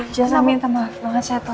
jangan minta maaf banget ya tuhan